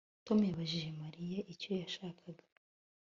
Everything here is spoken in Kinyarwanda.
Tom yabajije Mariya icyo yashakaga